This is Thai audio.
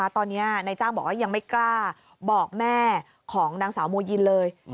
ตอนนี้นายจ้างบอกว่ายังไม่กล้าบอกแม่ของนางสาวโมยินเลย